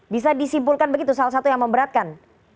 bisa disimpulkan begitu salah satu yang memberatkan